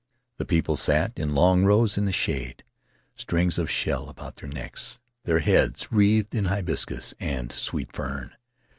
The people sat in long rows in the shade, strings of shell about their necks, their heads wreathed in hibiscus and sweet fern.